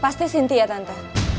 pasti sinti ya tante